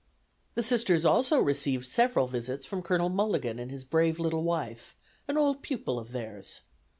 The Sisters also received several visits from Colonel Mulligan and his brave little wife, an old pupil of theirs.